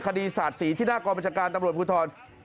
คดีศาสตร์๔ที่หน้ากรบัญชาการตำรวจภูทร